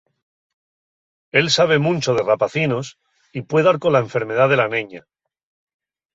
Él sabe muncho de rapacinos y pue dar cola enfermedá de la neña.